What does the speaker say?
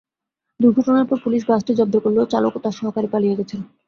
দুর্ঘটনার পর পুলিশ বাসটি জব্দ করলেও চালক ও তাঁর সহকারী পালিয়ে গেছেন।